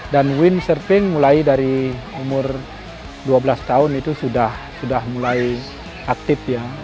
dan windsurfing mulai dari umur dua belas tahun itu sudah mulai aktif ya